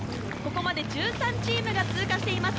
ここまで１３チームが通過しています。